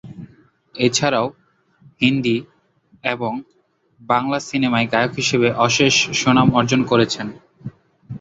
এছাড়াও, হিন্দি এবং বাংলা সিনেমায় গায়ক হিসেবে অশেষ সুনাম অর্জন করেছেন।